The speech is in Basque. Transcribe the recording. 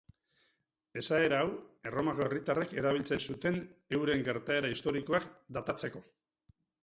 Esaera hau, Erromako hiritarrek erabiltzen zuten euren gertaera historikoak datatzeko.